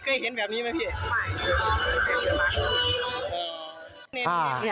เคยเห็นแบบนี้ไหมพี่